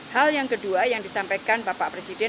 hal yang kedua yang disampaikan bapak presiden